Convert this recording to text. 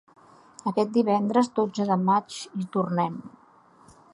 Aquest divendres, dotze de maig, hi tornem!